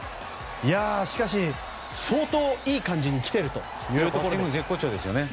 しかし、相当いい感じに来てるということですよね。